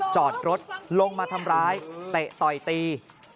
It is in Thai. จอดรถลงมาทำร้ายเตะต่อยตี